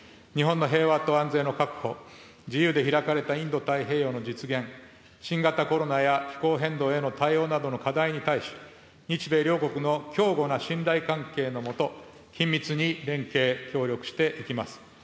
日本の平和と安全の確保、自由で開かれたインド太平洋の実現、新型コロナや気候変動への対応などの課題に対し、日米両国の強固な信頼関係の下、緊密に連携、協力していきます。